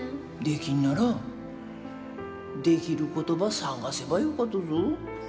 できんならできることば探せばよかとぞ。